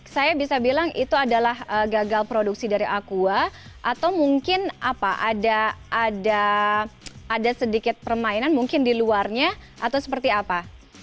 saya bisa bilang itu adalah gagal produksi dari aqua atau mungkin apa ada sedikit permainan mungkin di luarnya atau seperti apa